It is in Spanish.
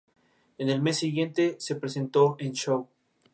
En el mes siguiente, se presentó en "Show!